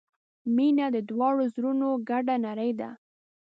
• مینه د دواړو زړونو ګډه نړۍ ده.